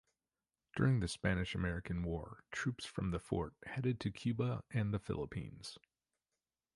During the Spanish-American War, troops from the fort headed to Cuba and the Philippines.